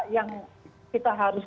yang kita harus